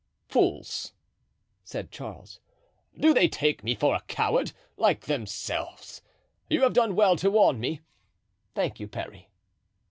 "Fools," said Charles, "do they take me for a coward, like themselves? You have done well to warn me. Thank you, Parry."